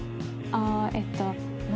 ああーえっと。